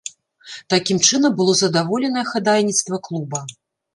Такім чынам было задаволенае хадайніцтва клуба.